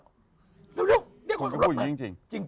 เดี๋ยวคนก็พูดอย่างนี้จริง